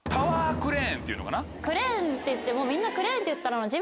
クレーンっていってもみんなクレーンっていったら。